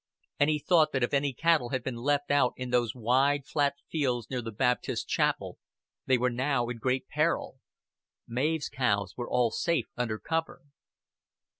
And he thought that if any cattle had been left out in those wide flat fields near the Baptist Chapel, they were now in great peril. Mav's cows were all safe under cover.